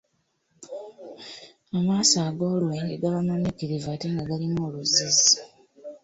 Amaaso ag'olwenge gaba mamyukirivu ate nga galimu oluzzizzi.